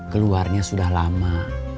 keluarnya sudah lama